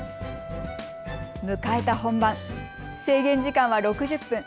迎えた本番、制限時間は６０分。